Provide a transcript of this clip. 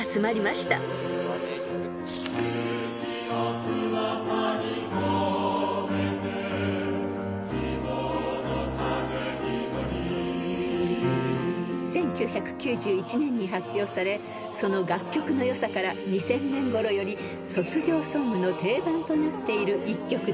「勇気を翼にこめて希望の風にのり」［１９９１年に発表されその楽曲の良さから２０００年ごろより卒業ソングの定番となっている一曲です］